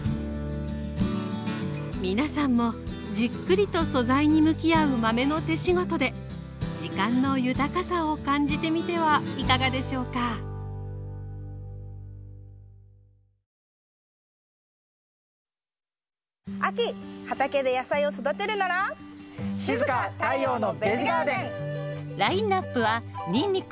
皆さんもじっくりと素材に向き合う豆の手仕事で時間の豊かさを感じてみてはいかがでしょうか京都では親しみを込めて「お揚げさん」と呼びます。